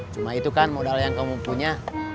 cuma itu kan modal yang kamu punya